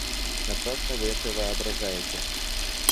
Напрасно вы это воображаете.